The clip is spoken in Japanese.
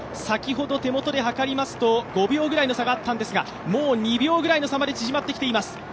先ほど５秒ぐらいの差があったんですが、もう２秒ぐらいの差まで縮まってきています。